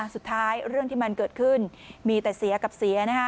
สุดท้ายเรื่องที่มันเกิดขึ้นมีแต่เสียกับเสีย